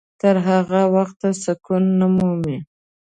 تر هغه وخته سکون نه مومي.